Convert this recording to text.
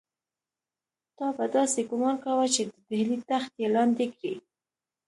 تا به داسې ګومان کاوه چې د ډهلي تخت یې لاندې کړی.